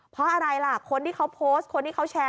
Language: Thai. เพราะอะไรล่ะคนที่เขาโพสต์คนที่เขาแชร์